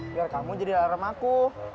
biar kamu jadi alarm aku